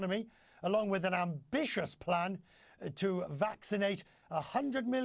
sama dengan rencana ambisius untuk mevaksinasi seratus juta orang dalam seratus hari